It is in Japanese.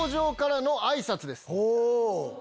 ほう！